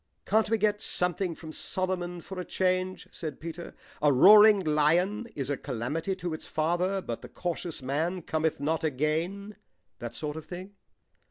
"Can't we get something from Solomon for a change?" said Peter. "'A roaring lion is a calamity to its father, but the cautious man cometh not again.' That sort of thing."